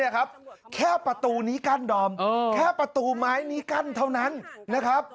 แค่ประตูนี้กั้นดอมแค่ประตูไม้นี้กั้นเท่านั้นนะครับ